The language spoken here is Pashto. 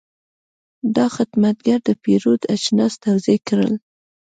دا خدمتګر د پیرود اجناس توضیح کړل.